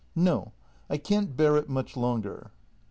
'] No, I can't bear it much longer!